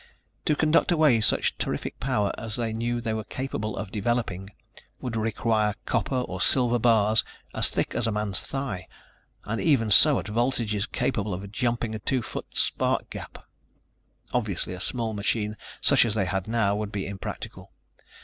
To conduct away such terrific power as they knew they were capable of developing would require copper or silver bars as thick as a man's thigh, and even so at voltages capable of jumping a two foot spark gap. Obviously, a small machine such as they now had would be impractical.